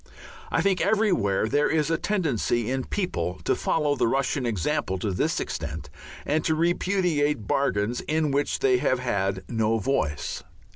I think everywhere there is a tendency in people to follow the Russian example to this extent and to repudiate bargains in which they have had no voice.